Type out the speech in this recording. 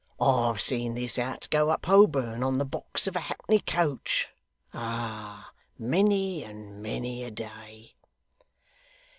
I've seen this hat go up Holborn on the box of a hackney coach ah, many and many a day!